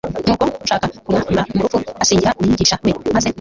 Nuko nk'ushaka kumwamra mu rupfu asingira Umwigisha we maze